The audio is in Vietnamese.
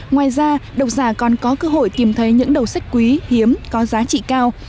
ngoài ra độc giả còn có cơ hội tìm thấy những đầu sách quý hiếm có giá trị cao